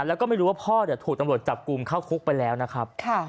แล้วก็ไม่รู้ว่าพ่อถูกตำรวจจับกลุ่มเข้าคุกไปแล้วนะครับ